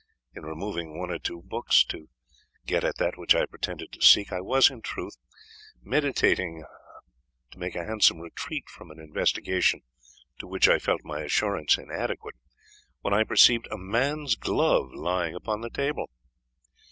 In removing one or two books to get at that which I pretended to seek, I was, in truth, meditating to make a handsome retreat from an investigation to which I felt my assurance inadequate, when I perceived a man's glove lying upon the table.